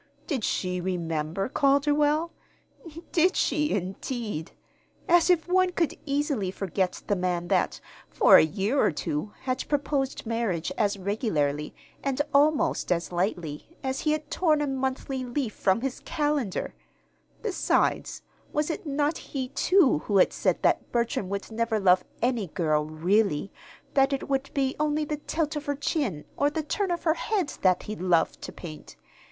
Did she remember Calderwell? Did she, indeed! As if one could easily forget the man that, for a year or two, had proposed marriage as regularly (and almost as lightly!) as he had torn a monthly leaf from his calendar! Besides, was it not he, too, who had said that Bertram would never love any girl, really; that it would be only the tilt of her chin or the turn of her head that he loved to paint?